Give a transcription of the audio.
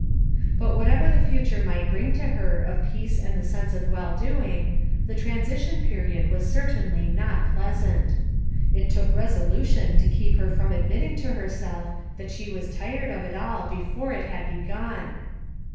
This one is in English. But whatever the future might bring to her of peace and the sense of well doing, the transition period was certainly not pleasant. It took resolution to keep her from admitting to herself that she was tired of it all, before it had begun.